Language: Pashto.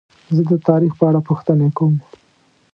زه د تاریخ په اړه پوښتنې کوم.